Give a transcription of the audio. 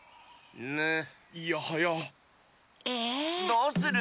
どうする？